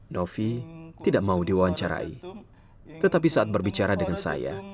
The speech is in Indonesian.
novi tidak mau diwawancarai tetapi saat berbicara dengan saya